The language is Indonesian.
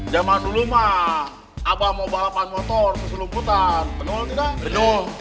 cuman dulu mah abah mau balapan motor terus lumputan benul tidak